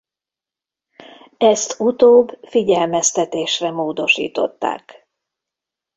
Ezt utóbb figyelmeztetésre módosították.